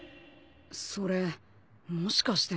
それもしかして。